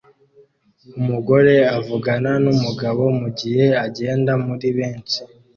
Umugore avugana numugabo mugihe agenda muri benshi